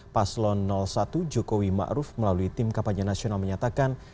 paslon satu jokowi ma'ruf melalui tim kapal jenis nasional menyatakan